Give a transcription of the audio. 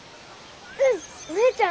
うん！